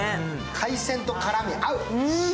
海鮮と辛み、合う。